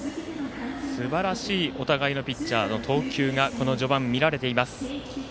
すばらしいお互いのピッチャーの投球がこの序盤、見られています。